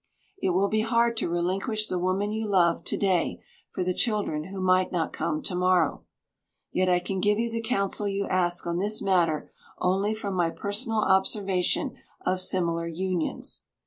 It will be hard to relinquish the woman you love, to day, for the children who might not come to morrow. Yet I can give you the counsel you asked on this matter only from my personal observation of similar unions.